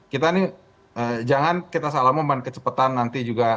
kita nih jangan kita salah momen kecepatan nanti juga